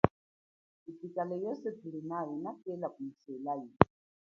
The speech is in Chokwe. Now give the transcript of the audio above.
Upikalo weswe tulinao inatela kumuselao.